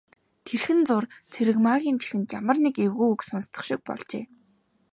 Тэрхэн зуур Цэрэгмаагийн чихэнд ямар нэг эвгүй үг сонстох шиг болжээ.